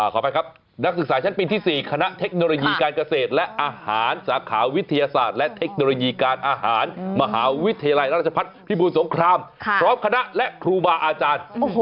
ขออภัยครับนักศึกษาชั้นปีที่๔คณะเทคโนโลยีการเกษตรและอาหารสาขาวิทยาศาสตร์และเทคโนโลยีการอาหารมหาวิทยาลัยราชพัฒน์พิบูรสงครามพร้อมคณะและครูบาอาจารย์